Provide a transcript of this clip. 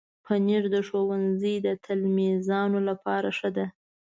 پنېر د ښوونځي د تلمیذانو لپاره ښه ده.